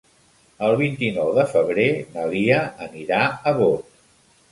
El vint-i-nou de febrer na Lia anirà a Bot.